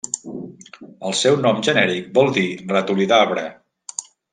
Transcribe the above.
El seu nom genèric vol dir 'ratolí d'arbre'.